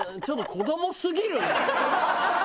ちょっと子どもすぎるな。